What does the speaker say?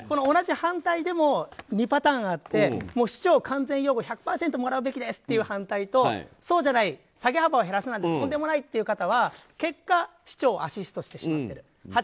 同じ反対でも２パターンあって市長を完全擁護１００％もらうべきですという反対と、そうじゃない下げ幅を減らすなんてとんでもないという方は結果、市長をアシストしてしまっている。